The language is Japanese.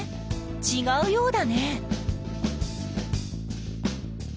ちがうようだね。